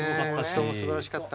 人もすばらしかった。